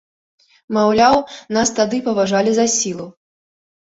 Маўляў, нас тады паважалі за сілу.